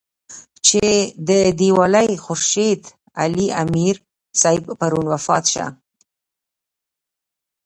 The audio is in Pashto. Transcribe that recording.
چې د دېولۍ خورشېد علي امير صېب پرون وفات شۀ